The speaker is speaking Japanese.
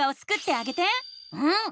うん！